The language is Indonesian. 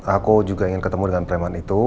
aku juga ingin ketemu dengan preman itu